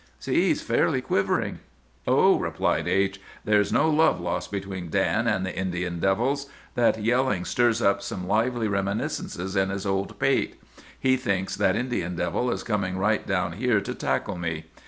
See, he's fairly quivering!' "'Oh,' replied H——, 'there's no love lost between Dan and the Indian devils. That yelling stirs up some lively reminiscences in his old pate. He thinks that Indian devil is coming right down here to tackle me.